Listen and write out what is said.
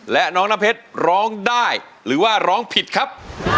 และน้องน้ำเพชรร้องได้หรือว่าร้องผิดครับ